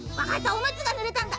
おむつがぬれたんだ。